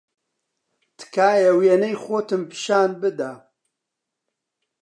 تکایە وێنەی خۆتم پیشان بدە.